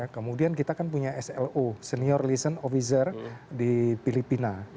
kemudian kita kan punya slo senior listen officer di filipina